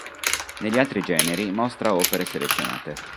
Negli altri generi mostra opere selezionate.